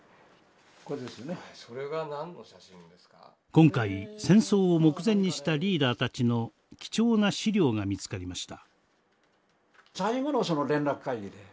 今回戦争を目前にしたリーダーたちの貴重な資料が見つかりました。